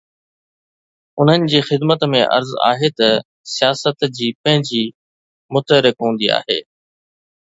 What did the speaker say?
انهن جي خدمت ۾ عرض آهي ته سياست جي پنهنجي متحرڪ هوندي آهي.